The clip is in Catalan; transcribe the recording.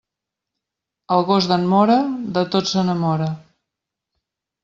El gos d'en Mora, de tot s'enamora.